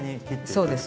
そうです。